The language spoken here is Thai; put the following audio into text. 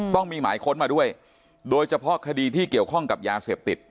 ต้องมีหมายค้นมาด้วยโดยเฉพาะคดีที่เกี่ยวข้องกับยาเสพติด